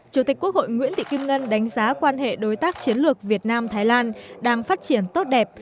chủ tịch quốc hội nguyễn thị kim ngân đánh giá quan hệ đối tác chiến lược việt nam thái lan đang phát triển tốt đẹp